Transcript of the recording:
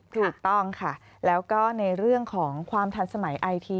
ถูกต้องค่ะแล้วก็ในเรื่องของความทันสมัยไอที